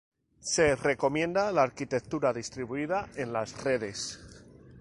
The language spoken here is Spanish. Se recomienda la arquitectura distribuida en las redes.